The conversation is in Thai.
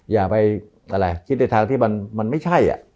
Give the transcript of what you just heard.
อย่าไปอะไรคิดในทางที่มันไม่ใช่